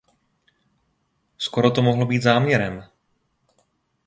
Skoro to mohlo být záměrem!